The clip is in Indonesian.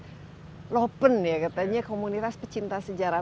ini lopen ya katanya komunitas pecinta sejarah